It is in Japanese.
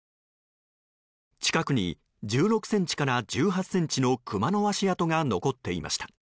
近くに１６ｃｍから１８ｃｍのクマの足跡が残っていました。